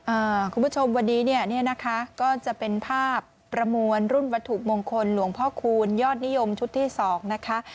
คุณผู้ชมวันนี้เนี่ยนะคะก็จะเป็นภาพประมวลรุ่นวัตถุมงคลหลวงพ่อคูณยอดนิยมชุดที่สองนะคะ